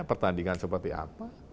pertandingan seperti apa